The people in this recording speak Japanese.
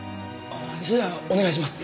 じゃあお願いします。